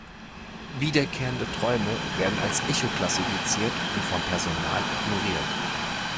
Wiederkehrende Träume werden als Echo klassifiziert und vom Personal ignoriert.